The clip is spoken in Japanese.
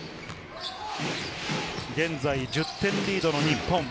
現在１０点リードの日本。